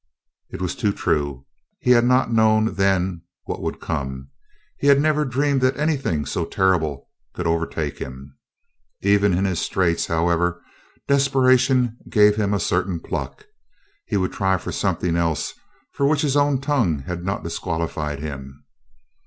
It was too true. He had not known then what would come. He had never dreamed that anything so terrible could overtake him. Even in his straits, however, desperation gave him a certain pluck. He would try for something else for which his own tongue had not disqualified him.